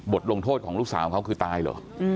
ลงโทษของลูกสาวเขาคือตายเหรอ